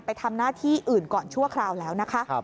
ไปทำหน้าที่อื่นก่อนชั่วคราวแล้วนะคะ